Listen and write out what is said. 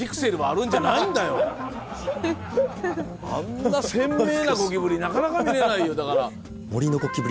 あんな鮮明なゴキブリなかなか見れないよだから。